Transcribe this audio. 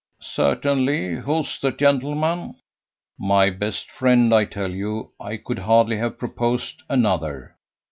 "Certainly. Who's the gentleman?" "My best friend, I tell you. I could hardly have proposed another.